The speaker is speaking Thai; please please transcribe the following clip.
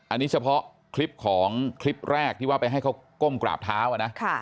อันนี้เฉพาะคลิปของคลิปแรกที่ว่าไปให้เขาก้มกราบเท้านะ